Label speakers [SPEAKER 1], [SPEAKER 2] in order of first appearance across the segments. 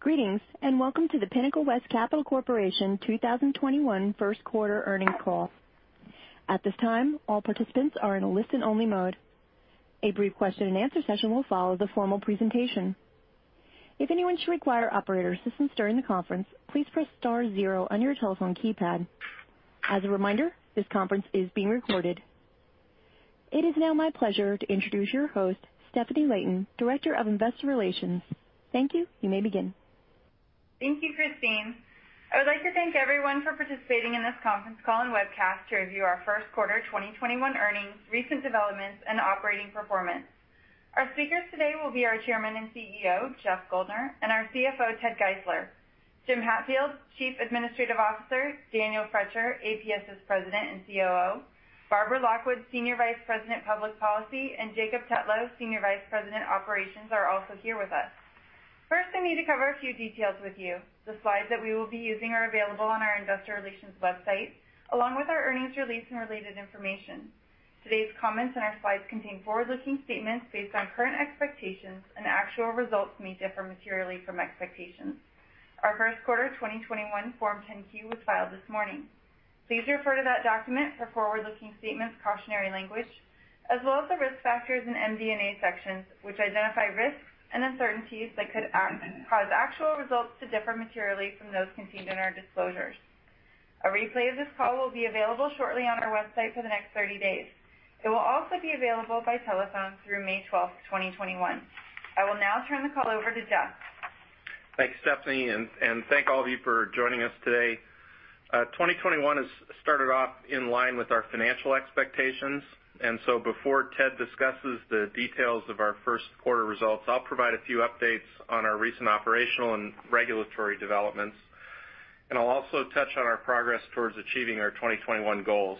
[SPEAKER 1] Greetings, welcome to the Pinnacle West Capital Corporation 2021 first quarter earnings call. At this time, all participants are in a listen-only mode. A brief question and answer session will follow the formal presentation. If anyone should require operator assistance during the conference, please press star zero on your telephone keypad. As a reminder, this conference is being recorded. It is now my pleasure to introduce your host, Stefanie Layton, Director of Investor Relations. Thank you. You may begin.
[SPEAKER 2] Thank you, Christine. I would like to thank everyone for participating in this conference call and webcast to review our first quarter 2021 earnings, recent developments, and operating performance. Our speakers today will be our Chairman and CEO, Jeff Guldner, and our CFO, Ted Geisler. Jim Hatfield, Chief Administrative Officer, Daniel Froetscher, APS's President and COO, Barbara Lockwood, Senior Vice President, Public Policy, and Jacob Tetlow, Senior Vice President, Operations, are also here with us. First, I need to cover a few details with you. The slides that we will be using are available on our investor relations website, along with our earnings release and related information. Today's comments and our slides contain forward-looking statements based on current expectations, and actual results may differ materially from expectations. Our first quarter 2021 Form 10-Q was filed this morning. Please refer to that document for forward-looking statements cautionary language, as well as the Risk Factors and MD&A sections, which identify risks and uncertainties that could cause actual results to differ materially from those contained in our disclosures. A replay of this call will be available shortly on our website for the next 30 days. It will also be available by telephone through May 12th, 2021. I will now turn the call over to Jeff.
[SPEAKER 3] Thanks, Stefanie, thank all of you for joining us today. 2021 has started off in line with our financial expectations, and so before Ted discusses the details of our first quarter results, I'll provide a few updates on our recent operational and regulatory developments. I'll also touch on our progress towards achieving our 2021 goals.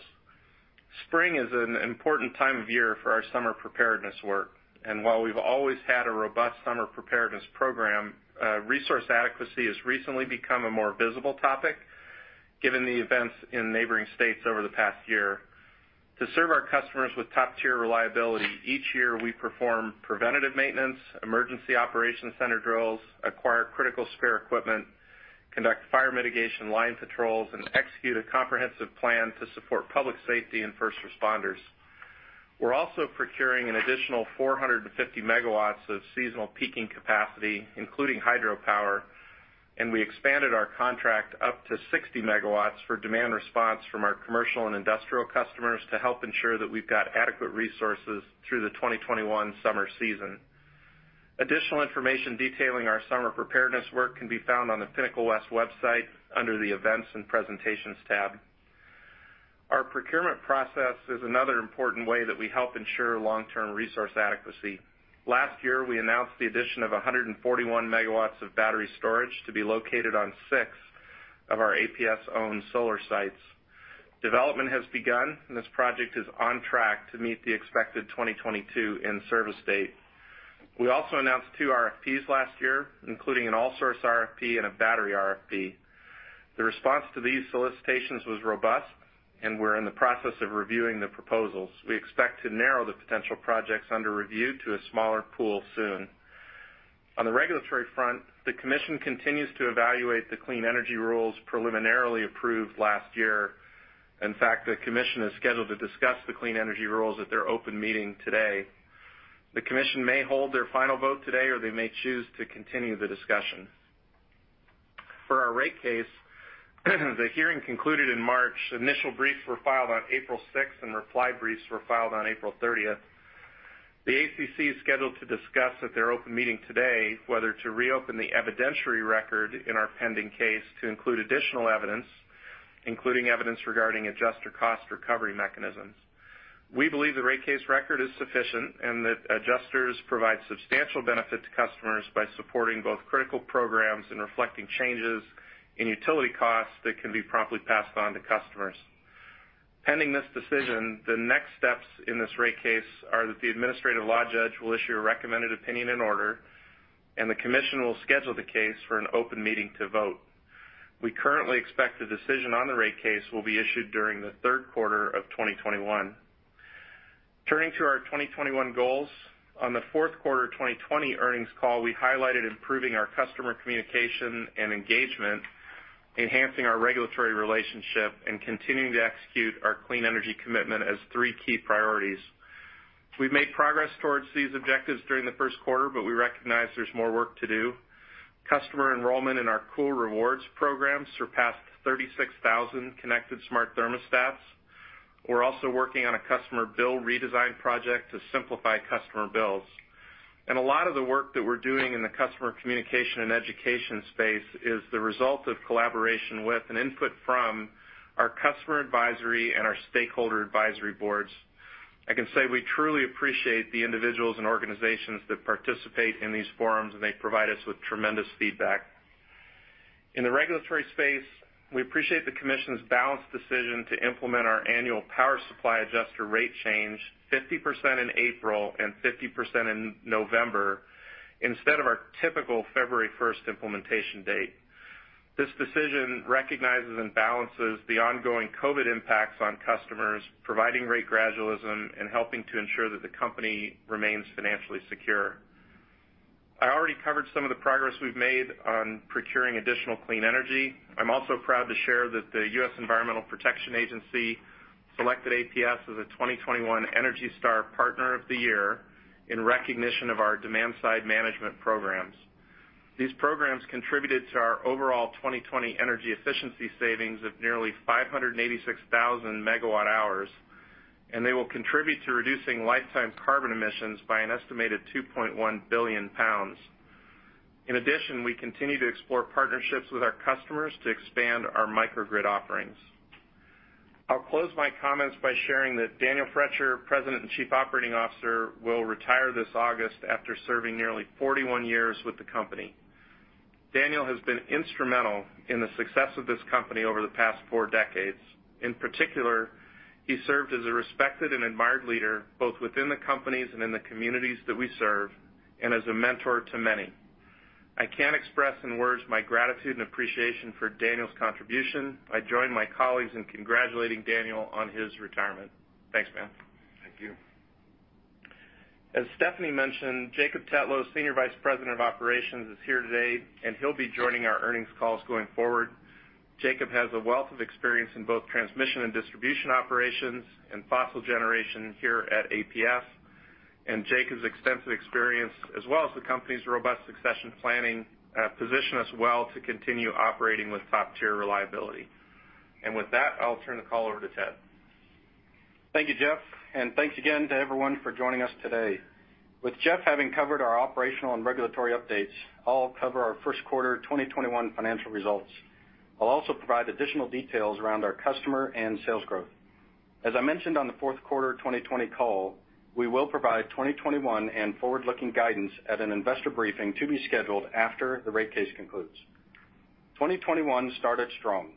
[SPEAKER 3] Spring is an important time of year for our summer preparedness work, and while we've always had a robust summer preparedness program, resource adequacy has recently become a more visible topic given the events in neighboring states over the past year. To serve our customers with top-tier reliability, each year we perform preventative maintenance, emergency operations center drills, acquire critical spare equipment, conduct fire mitigation line patrols, and execute a comprehensive plan to support public safety and first responders. We're also procuring an additional 450 MW of seasonal peaking capacity, including hydropower, and we expanded our contract up to 60 MW for demand response from our commercial and industrial customers to help ensure that we've got adequate resources through the 2021 summer season. Additional information detailing our summer preparedness work can be found on the Pinnacle West website under the Events and Presentations tab. Our procurement process is another important way that we help ensure long-term resource adequacy. Last year, we announced the addition of 141 MW of battery storage to be located on six of our APS-owned solar sites. Development has begun, and this project is on track to meet the expected 2022 in-service date. We also announced two RFPs last year, including an all-source RFP and a battery RFP. The response to these solicitations was robust, and we're in the process of reviewing the proposals. We expect to narrow the potential projects under review to a smaller pool soon. On the regulatory front, the commission continues to evaluate the clean energy rules preliminarily approved last year. In fact, the commission is scheduled to discuss the clean energy rules at their open meeting today. The commission may hold their final vote today, or they may choose to continue the discussion. For our rate case, the hearing concluded in March. Initial briefs were filed on April 6th, and reply briefs were filed on April 30th. The ACC is scheduled to discuss at their open meeting today whether to reopen the evidentiary record in our pending case to include additional evidence, including evidence regarding adjuster cost recovery mechanisms. We believe the rate case record is sufficient, and that adjusters provide substantial benefit to customers by supporting both critical programs and reflecting changes in utility costs that can be promptly passed on to customers. Pending this decision, the next steps in this rate case are that the administrative law judge will issue a recommended opinion and order, and the commission will schedule the case for an open meeting to vote. We currently expect a decision on the rate case will be issued during the third quarter of 2021. Turning to our 2021 goals, on the fourth quarter of 2020 earnings call, we highlighted improving our customer communication and engagement, enhancing our regulatory relationship, and continuing to execute our clean energy commitment as three key priorities. We've made progress towards these objectives during the first quarter, but we recognize there's more work to do. Customer enrollment in our Cool Rewards program surpassed 36,000 connected smart thermostats. We're also working on a customer bill redesign project to simplify customer bills. A lot of the work that we're doing in the customer communication and education space is the result of collaboration with and input from our customer advisory and our stakeholder advisory boards. I can say we truly appreciate the individuals and organizations that participate in these forums, and they provide us with tremendous feedback. In the regulatory space, we appreciate the commission's balanced decision to implement our annual power supply adjuster rate change 50% in April and 50% in November instead of our typical February 1st implementation date. This decision recognizes and balances the ongoing COVID impacts on customers, providing rate gradualism and helping to ensure that the company remains financially secure. I already covered some of the progress we've made on procuring additional clean energy. I'm also proud to share that the U.S. Environmental Protection Agency selected APS as a 2021 ENERGY STAR Partner of the Year in recognition of our demand-side management programs. These programs contributed to our overall 2020 energy efficiency savings of nearly 586,000 megawatt hours, they will contribute to reducing lifetime carbon emissions by an estimated 2.1 billion pounds. In addition, we continue to explore partnerships with our customers to expand our microgrid offerings. I'll close my comments by sharing that Daniel Froetscher, President and Chief Operating Officer, will retire this August after serving nearly 41 years with the company. Daniel has been instrumental in the success of this company over the past four decades. In particular, he served as a respected and admired leader, both within the companies and in the communities that we serve, and as a mentor to many. I can't express in words my gratitude and appreciation for Daniel's contribution. I join my colleagues in congratulating Daniel on his retirement. Thanks, Dan.
[SPEAKER 4] Thank you.
[SPEAKER 3] As Stefanie mentioned, Jacob Tetlow, Senior Vice President of Operations, is here today, he'll be joining our earnings calls going forward. Jacob has a wealth of experience in both transmission and distribution operations and fossil generation here at APS. Jake's extensive experience, as well as the company's robust succession planning, position us well to continue operating with top-tier reliability. With that, I'll turn the call over to Ted.
[SPEAKER 4] Thank you, Jeff, and thanks again to everyone for joining us today. With Jeff having covered our operational and regulatory updates, I'll cover our first quarter 2021 financial results. I'll also provide additional details around our customer and sales growth. As I mentioned on the fourth quarter 2020 call, we will provide 2021 and forward-looking guidance at an investor briefing to be scheduled after the rate case concludes. 2021 started strong,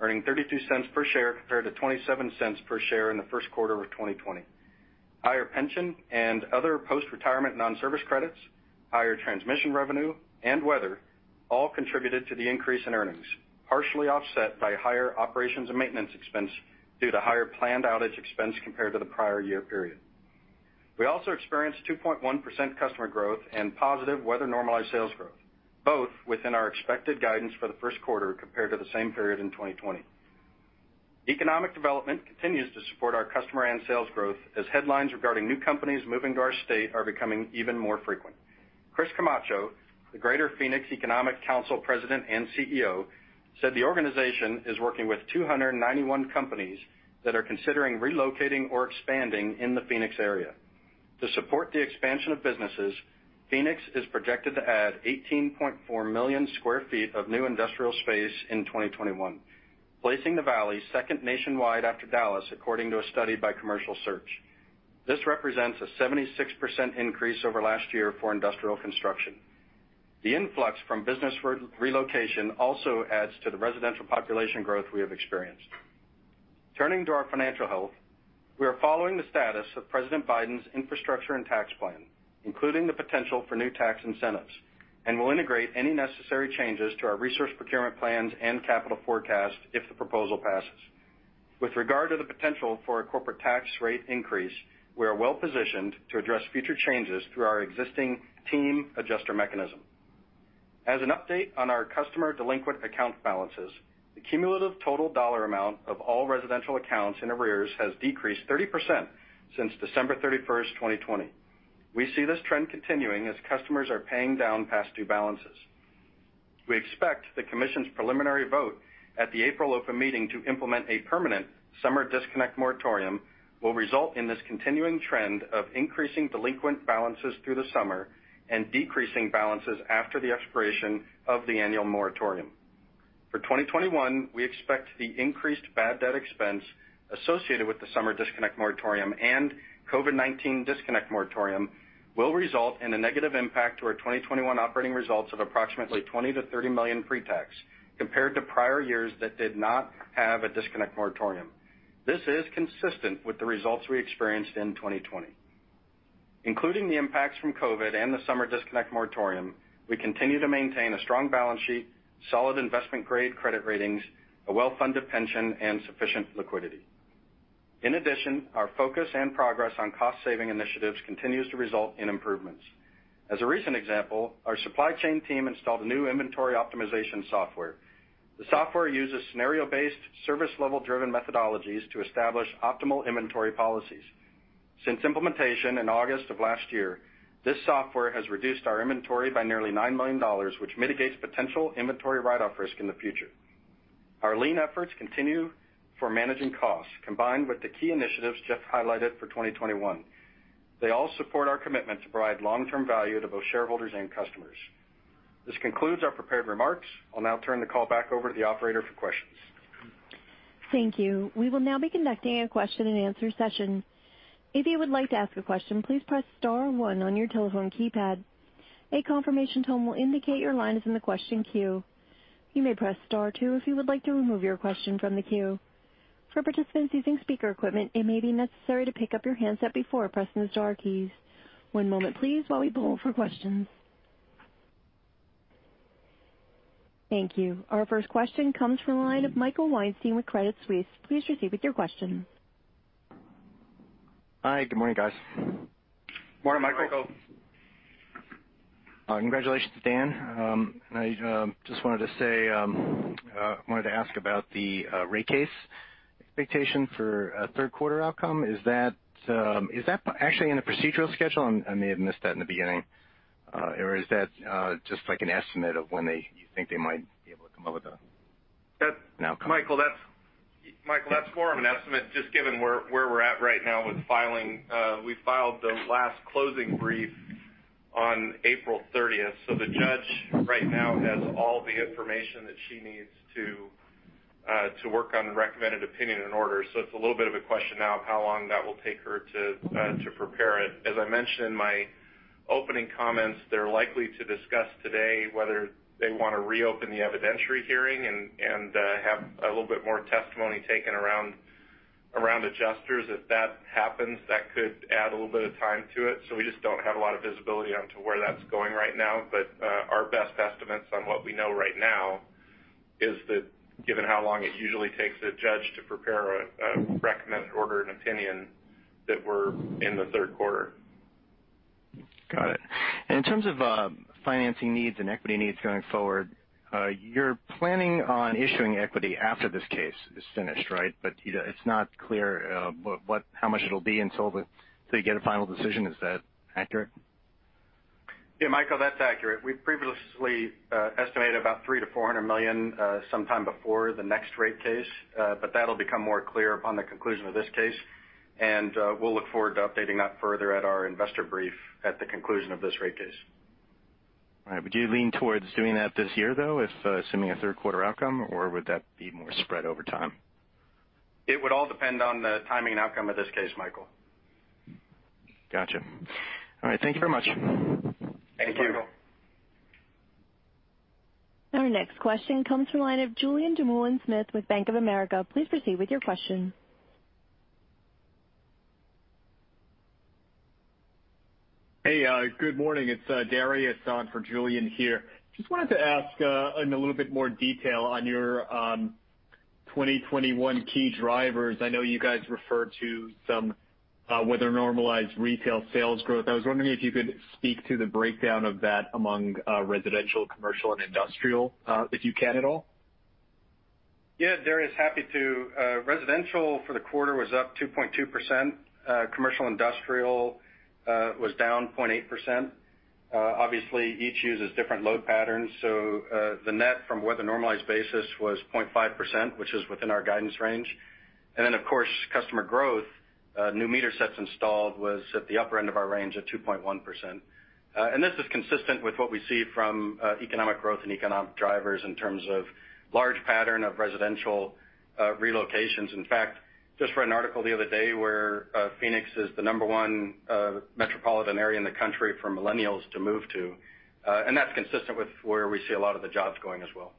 [SPEAKER 4] earning $0.32 per share compared to $0.27 per share in the first quarter of 2020. Higher pension and other post-retirement non-service credits, higher transmission revenue, and weather all contributed to the increase in earnings, partially offset by higher operations and maintenance expense due to higher planned outage expense compared to the prior year period. We also experienced 2.1% customer growth and positive weather-normalized sales growth, both within our expected guidance for the first quarter compared to the same period in 2020. Economic development continues to support our customer and sales growth as headlines regarding new companies moving to our state are becoming even more frequent. Chris Camacho, the Greater Phoenix Economic Council President and CEO, said the organization is working with 291 companies that are considering relocating or expanding in the Phoenix area. To support the expansion of businesses, Phoenix is projected to add 18.4 million sq ft of new industrial space in 2021, placing the Valley second nationwide after Dallas, according to a study by CommercialSearch. This represents a 76% increase over last year for industrial construction. The influx from business relocation also adds to the residential population growth we have experienced. Turning to our financial health, we are following the status of President Biden's infrastructure and tax plan, including the potential for new tax incentives, and will integrate any necessary changes to our resource procurement plans and capital forecast if the proposal passes. With regard to the potential for a corporate tax rate increase, we are well-positioned to address future changes through our existing TEAM adjuster mechanism. As an update on our customer delinquent account balances, the cumulative total dollar amount of all residential accounts in arrears has decreased 30% since December 31, 2020. We see this trend continuing as customers are paying down past due balances. We expect the Commission's preliminary vote at the April open meeting to implement a permanent summer disconnect moratorium will result in this continuing trend of increasing delinquent balances through the summer and decreasing balances after the expiration of the annual moratorium. For 2021, we expect the increased bad debt expense associated with the summer disconnect moratorium and COVID-19 disconnect moratorium will result in a negative impact to our 2021 operating results of approximately $20 million-$30 million pre-tax, compared to prior years that did not have a disconnect moratorium. This is consistent with the results we experienced in 2020. Including the impacts from COVID and the summer disconnect moratorium, we continue to maintain a strong balance sheet, solid investment-grade credit ratings, a well-funded pension, and sufficient liquidity. In addition, our focus and progress on cost-saving initiatives continues to result in improvements. As a recent example, our supply chain team installed a new inventory optimization software. The software uses scenario-based, service-level-driven methodologies to establish optimal inventory policies. Since implementation in August of last year, this software has reduced our inventory by nearly $9 million, which mitigates potential inventory write-off risk in the future. Our lean efforts continue for managing costs, combined with the key initiatives Jeff highlighted for 2021. They all support our commitment to provide long-term value to both shareholders and customers. This concludes our prepared remarks. I'll now turn the call back over to the operator for questions.
[SPEAKER 1] Thank you. We will now be conducting a question-and-answer session. If you would like to ask a question, please press star one on your telephone keypad. A confirmation tone will indicate your line is in the question queue. You may press star two if you would like to remove your question from the queue. For participants using speaker equipment, it may be necessary to pick up your handset before pressing the star keys. One moment please while we poll for questions. Thank you. Our first question comes from the line of Michael Weinstein with Credit Suisse. Please proceed with your question.
[SPEAKER 5] Hi. Good morning, guys.
[SPEAKER 3] Morning, Michael.
[SPEAKER 5] Congratulations to Dan. I just wanted to ask about the rate case expectation for a third quarter outcome. Is that actually in the procedural schedule? I may have missed that in the beginning. Is that just an estimate of when you think they might be able to come up with an outcome?
[SPEAKER 3] Michael, that's more of an estimate, just given where we're at right now with filing. We filed the last closing brief on April 30th. The judge right now has all the information that she needs to work on the recommended opinion and order. It's a little bit of a question now of how long that will take her to prepare it. As I mentioned in my opening comments, they're likely to discuss today whether they want to reopen the evidentiary hearing and have a little bit more testimony taken around adjusters. If that happens, that could add a little bit of time to it. We just don't have a lot of visibility onto where that's going right now. Our best estimates on what we know right now is that given how long it usually takes a judge to prepare a recommended order and opinion, that we're in the third quarter.
[SPEAKER 5] Got it. In terms of financing needs and equity needs going forward, you're planning on issuing equity after this case is finished, right? It's not clear how much it'll be until you get a final decision. Is that accurate?
[SPEAKER 3] Yeah, Michael, that's accurate. We previously estimated about $300 million-$400 million, sometime before the next rate case. That'll become more clear upon the conclusion of this case, and we'll look forward to updating that further at our investor brief at the conclusion of this rate case.
[SPEAKER 5] All right. Would you lean towards doing that this year, though, assuming a third quarter outcome, or would that be more spread over time?
[SPEAKER 3] It would all depend on the timing and outcome of this case, Michael.
[SPEAKER 5] Got you. All right, thank you very much.
[SPEAKER 3] Thank you.
[SPEAKER 5] Thank you.
[SPEAKER 1] Our next question comes from the line of Julien Dumoulin-Smith with Bank of America. Please proceed with your question.
[SPEAKER 6] Hey, good morning. It's Dariusz on for Julian here. Just wanted to ask in a little bit more detail on your 2021 key drivers. I know you guys refer to some weather-normalized retail sales growth. I was wondering if you could speak to the breakdown of that among residential, commercial and industrial, if you can at all.
[SPEAKER 3] Yeah, Dariusz. Happy to. Residential for the quarter was up 2.2%. Commercial Industrial was down 0.8%. Obviously, each uses different load patterns, the net from weather normalized basis was 0.5%, which is within our guidance range. Of course, customer growth, new meter sets installed was at the upper end of our range at 2.1%. This is consistent with what we see from economic growth and economic drivers in terms of large pattern of residential relocations. In fact, just read an article the other day where Phoenix is the number one metropolitan area in the country for millennials to move to. That's consistent with where we see a lot of the jobs going as well.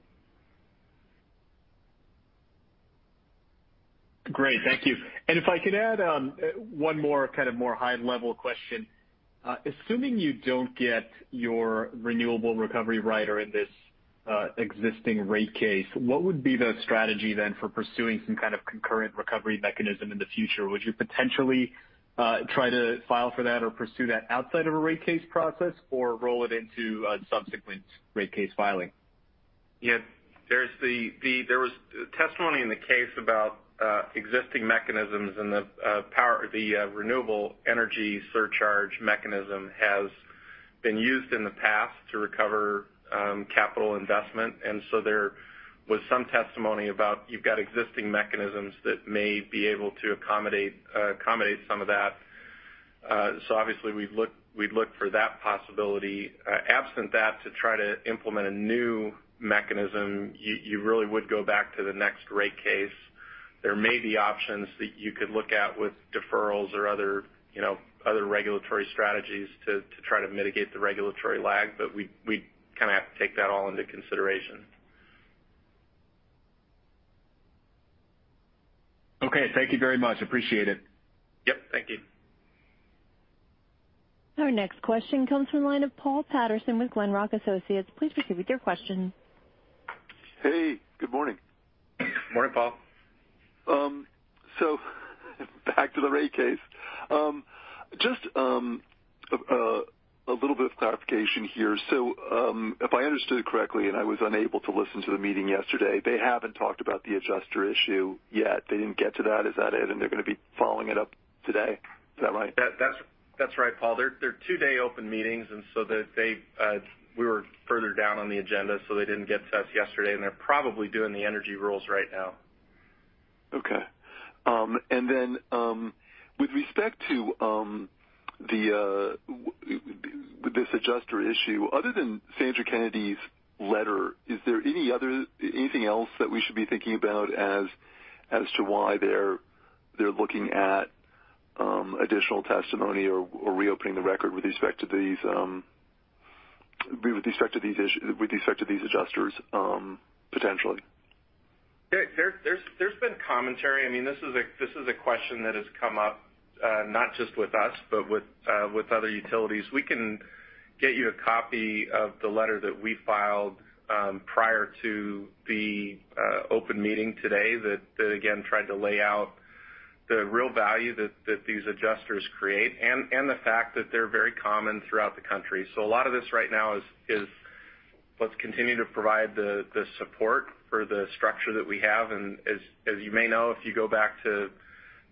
[SPEAKER 6] Great. Thank you. If I could add one more kind of more high-level question. Assuming you don't get your renewable recovery rider in this existing rate case, what would be the strategy then for pursuing some kind of concurrent recovery mechanism in the future? Would you potentially try to file for that or pursue that outside of a rate case process or roll it into a subsequent rate case filing?
[SPEAKER 3] Yeah. There was testimony in the case about existing mechanisms and the renewable energy surcharge mechanism has been used in the past to recover capital investment. There was some testimony about you've got existing mechanisms that may be able to accommodate some of that. Obviously we'd look for that possibility. Absent that, to try to implement a new mechanism, you really would go back to the next rate case. There may be options that you could look at with deferrals or other regulatory strategies to try to mitigate the regulatory lag, but we kind of have to take that all into consideration.
[SPEAKER 6] Okay. Thank you very much. Appreciate it.
[SPEAKER 3] Yep. Thank you.
[SPEAKER 1] Our next question comes from the line of Paul Patterson with Glenrock Associates. Please proceed with your question.
[SPEAKER 7] Hey, good morning.
[SPEAKER 3] Morning, Paul.
[SPEAKER 7] Back to the rate case. Just a little bit of clarification here. If I understood correctly, and I was unable to listen to the meeting yesterday, they haven't talked about the adjuster issue yet. They didn't get to that. Is that it? They're going to be following it up today. Is that right?
[SPEAKER 3] That's right, Paul. They're two-day open meetings, and so we were further down on the agenda, so they didn't get to us yesterday, and they're probably doing the energy rules right now.
[SPEAKER 7] Okay. With respect to this adjuster issue, other than Sandra Kennedy's letter, is there anything else that we should be thinking about as to why they're looking at additional testimony or reopening the record with respect to these adjusters, potentially.
[SPEAKER 3] There's been commentary. This is a question that has come up not just with us, but with other utilities. We can get you a copy of the letter that we filed prior to the open meeting today that, again, tried to lay out the real value that these adjusters create and the fact that they're very common throughout the country. A lot of this right now is, let's continue to provide the support for the structure that we have. As you may know, if you go back to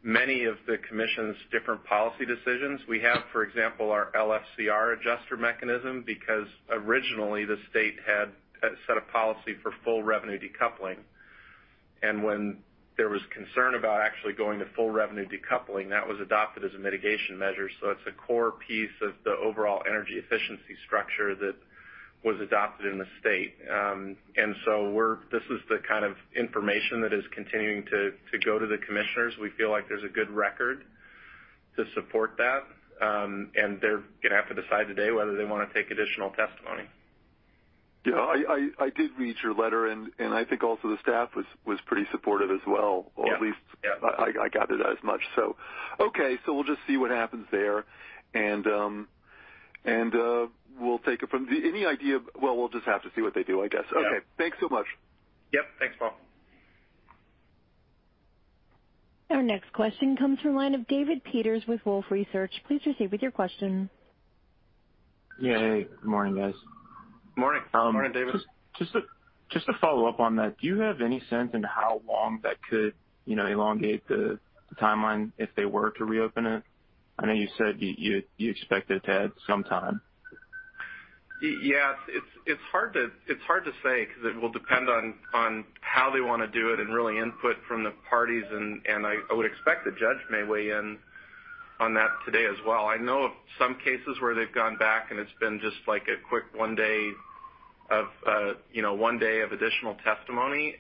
[SPEAKER 3] many of the Commission's different policy decisions, we have, for example, our LFCR adjuster mechanism, because originally the state had set a policy for full revenue decoupling. When there was concern about actually going to full revenue decoupling, that was adopted as a mitigation measure. It's a core piece of the overall energy efficiency structure that was adopted in the state. This is the kind of information that is continuing to go to the commissioners. We feel like there's a good record to support that. They're going to have to decide today whether they want to take additional testimony.
[SPEAKER 7] Yeah, I did read your letter, and I think also the staff was pretty supportive as well.
[SPEAKER 3] Yeah.
[SPEAKER 7] At least I gathered as much. Okay. We'll just see what happens there, and we'll take it from there. Well, we'll just have to see what they do, I guess.
[SPEAKER 3] Yeah.
[SPEAKER 7] Okay. Thanks so much.
[SPEAKER 3] Yep. Thanks, Paul.
[SPEAKER 1] Our next question comes from the line of David Peters with Wolfe Research. Please proceed with your question.
[SPEAKER 8] Yeah. Hey, good morning, guys.
[SPEAKER 4] Morning. Morning, David.
[SPEAKER 8] Just to follow up on that, do you have any sense in how long that could elongate the timeline if they were to reopen it? I know you said you expect it to add some time.
[SPEAKER 3] Yeah, it's hard to say because it will depend on how they want to do it, really input from the parties. I would expect the judge may weigh in on that today as well. I know of some cases where they've gone back, and it's been just like a quick one day of additional testimony.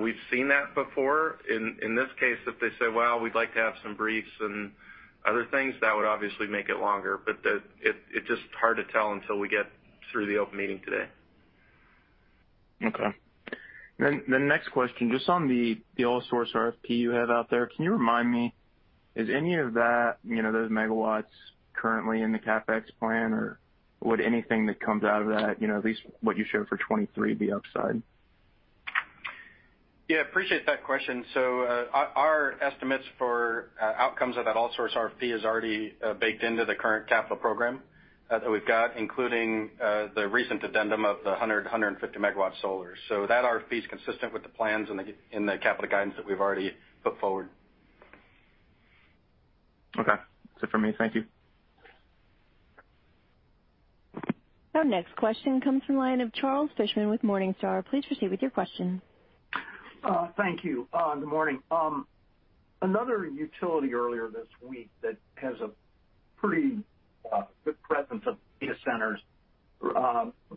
[SPEAKER 3] We've seen that before. In this case, if they say, "Well, we'd like to have some briefs and other things," that would obviously make it longer, it's just hard to tell until we get through the open meeting today.
[SPEAKER 8] Okay. Next question, just on the all-source RFP you have out there. Can you remind me, is any of those megawatts currently in the CapEx plan, or would anything that comes out of that, at least what you showed for 2023, be upside?
[SPEAKER 3] Yeah, appreciate that question. Our estimates for outcomes of that all-source RFP is already baked into the current capital program that we've got, including the recent addendum of the 100, 150 megawatt solar. That RFP is consistent with the plans and the capital guidance that we've already put forward.
[SPEAKER 8] Okay, that's it for me. Thank you.
[SPEAKER 1] Our next question comes from the line of Charles Fishman with Morningstar. Please proceed with your question.
[SPEAKER 9] Thank you. Good morning. Another utility earlier this week that has a pretty good presence of data centers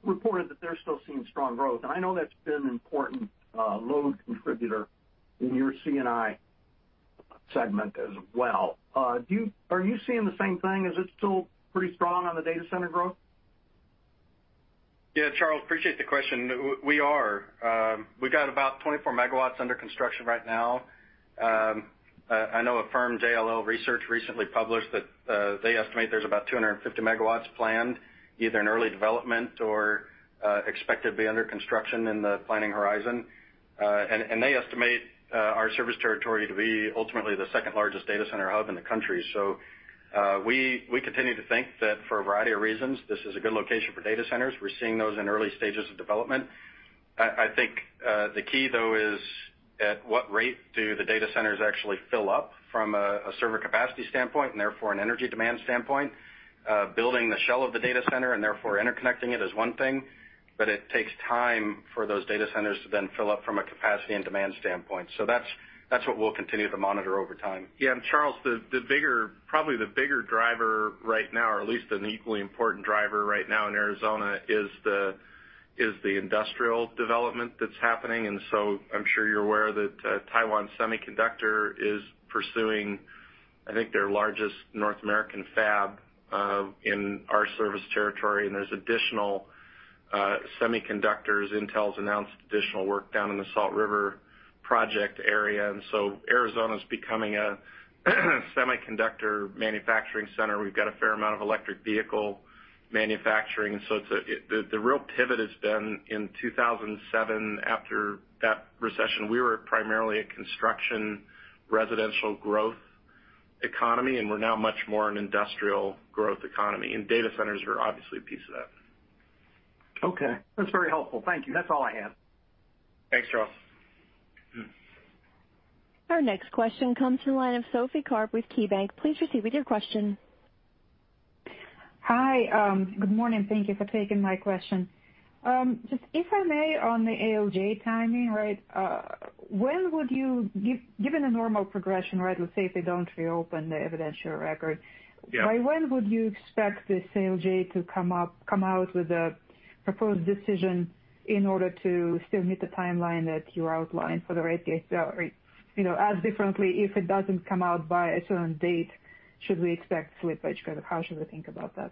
[SPEAKER 9] reported that they're still seeing strong growth. I know that's been an important load contributor in your C&I segment as well. Are you seeing the same thing? Is it still pretty strong on the data center growth?
[SPEAKER 3] Yeah, Charles, appreciate the question. We are. We've got about 24 megawatts under construction right now. I know a firm, JLL Research, recently published that they estimate there's about 250 megawatts planned, either in early development or expected to be under construction in the planning horizon. They estimate our service territory to be ultimately the second largest data center hub in the country. We continue to think that for a variety of reasons, this is a good location for data centers. We're seeing those in early stages of development. I think the key, though, is at what rate do the data centers actually fill up from a server capacity standpoint and therefore an energy demand standpoint. Building the shell of the data center and therefore interconnecting it is one thing, but it takes time for those data centers to then fill up from a capacity and demand standpoint. That's what we'll continue to monitor over time. Charles, probably the bigger driver right now, or at least an equally important driver right now in Arizona, is the industrial development that's happening. I'm sure you're aware that Taiwan Semiconductor is pursuing, I think, their largest North American fab, in our service territory. There's additional semiconductors. Intel's announced additional work down in the Salt River Project area, Arizona's becoming a semiconductor manufacturing center. We've got a fair amount of electric vehicle manufacturing. The real pivot has been in 2007 after that recession. We were primarily a construction, residential growth economy, and we're now much more an industrial growth economy. Data centers are obviously a piece of that.
[SPEAKER 9] Okay. That's very helpful. Thank you. That's all I had.
[SPEAKER 3] Thanks, Charles.
[SPEAKER 1] Our next question comes from the line of Sophie Karp with KeyBanc. Please proceed with your question.
[SPEAKER 10] Hi. Good morning. Thank you for taking my question. Just if I may, on the ALJ timing, right. Given a normal progression, let's say if they don't reopen the evidentiary record-
[SPEAKER 3] Yeah.
[SPEAKER 10] By when would you expect this ALJ to come out with a Proposed Decision in order to still meet the timeline that you outlined for the rate case. Asked differently, if it doesn't come out by a certain date, should we expect slippage? How should we think about that?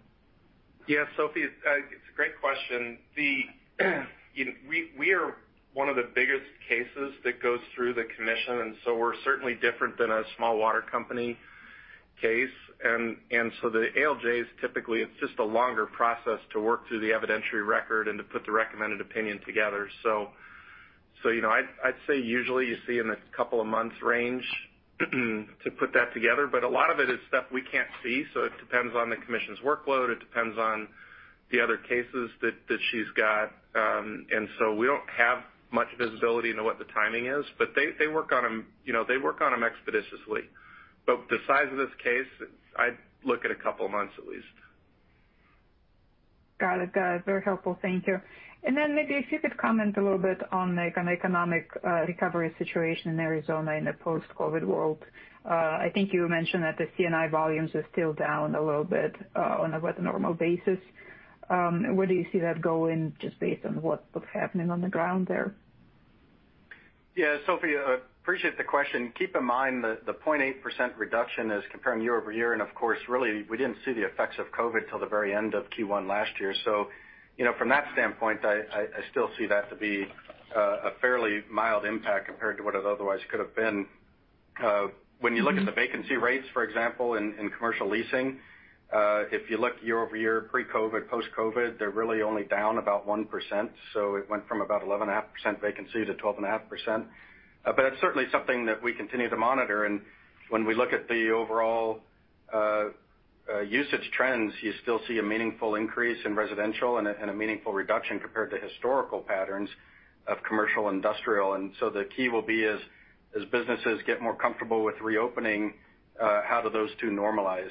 [SPEAKER 3] Yeah, Sophie, it's a great question. We are one of the biggest cases that goes through the commission. We're certainly different than a small water company case. The ALJs, typically, it's just a longer process to work through the evidentiary record and to put the recommended opinion together. I'd say usually you see in the couple of months range to put that together. A lot of it is stuff we can't see, so it depends on the commission's workload. It depends on the other cases that she's got. We don't have much visibility into what the timing is. They work on them expeditiously. The size of this case, I'd look at a couple of months at least.
[SPEAKER 10] Got it. Very helpful. Thank you. Maybe if you could comment a little bit on the economic recovery situation in Arizona in a post-COVID world. I think you mentioned that the C&I volumes are still down a little bit on a normal basis. Where do you see that going, just based on what's happening on the ground there?
[SPEAKER 3] Sophie, appreciate the question. Keep in mind that the 0.8% reduction is comparing year-over-year, of course, really, we didn't see the effects of COVID till the very end of Q1 last year. From that standpoint, I still see that to be a fairly mild impact compared to what it otherwise could have been. When you look at the vacancy rates, for example, in commercial leasing, if you look year-over-year, pre-COVID, post-COVID, they're really only down about 1%. It went from about 11.5% vacancy to 12.5%. It's certainly something that we continue to monitor. When we look at the overall usage trends, you still see a meaningful increase in residential and a meaningful reduction compared to historical patterns of commercial industrial. The key will be as businesses get more comfortable with reopening, how do those two normalize?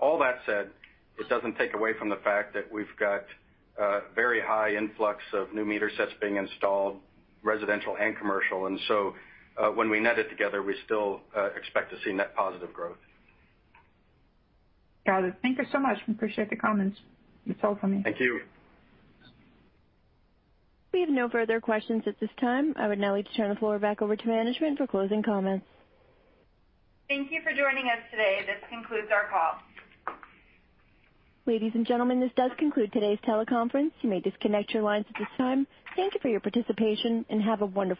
[SPEAKER 3] All that said, it doesn't take away from the fact that we've got a very high influx of new meter sets being installed, residential and commercial. When we net it together, we still expect to see net positive growth.
[SPEAKER 10] Got it. Thank you so much. We appreciate the comments. That's all for me.
[SPEAKER 3] Thank you.
[SPEAKER 1] We have no further questions at this time. I would now like to turn the floor back over to management for closing comments.
[SPEAKER 2] Thank you for joining us today. This concludes our call.
[SPEAKER 1] Ladies and gentlemen, this does conclude today's teleconference. You may disconnect your lines at this time. Thank you for your participation, and have a wonderful day.